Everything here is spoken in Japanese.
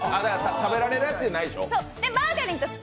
食べられるやつじゃないでしょ？